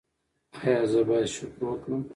ایا زه باید شکر وکړم؟